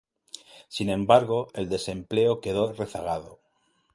Sin embargo, el desempleo quedó rezagado.